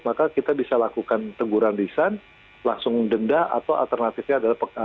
maka kita bisa lakukan teguran lisan langsung denda atau alternatifnya adalah